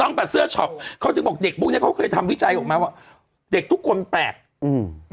ตั้งแต่เสื้อช็อปเขาถึงบอกเด็กพวกเนี้ยเขาเคยทำวิจัยออกมาว่าเด็กทุกคนแปลกอืม